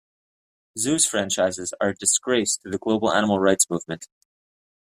Zoos franchises are a disgrace to the global animal rights movement.